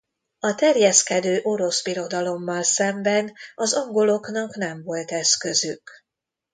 A terjeszkedő Orosz Birodalommal szemben az angoloknak nem volt eszközük.